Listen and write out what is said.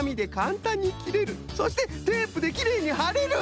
そして「テープできれいにはれる」。